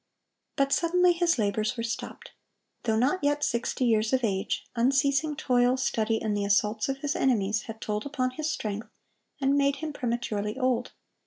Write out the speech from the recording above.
But suddenly his labors were stopped. Though not yet sixty years of age, unceasing toil, study, and the assaults of his enemies, had told upon his strength, and made him prematurely old.